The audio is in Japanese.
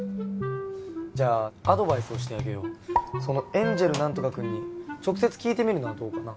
じゃあアドバイスをしてあげようそのエンジェル何とか君に直接聞いてみるのはどうかな？